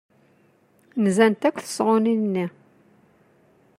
Nzant akk tesɣunin-nni.